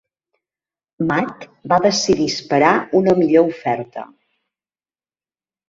Matt va decidir esperar una millor oferta.